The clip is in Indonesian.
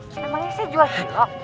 namanya saya jual cilok